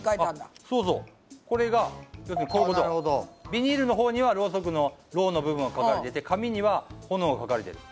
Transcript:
ビニールのほうにはろうそくのろうの部分が描かれてて紙には炎が描かれてる。